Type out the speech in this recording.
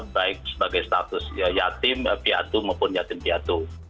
baik sebagai status yatim piatu maupun yatim piatu